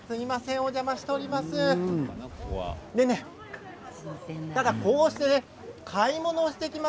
お邪魔しています。